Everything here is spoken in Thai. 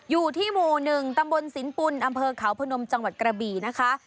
อยู่ที่หมู่๑ตำบลสินปุ่นอำเภอเขาพนมจังหวัดกระบี่นะคะ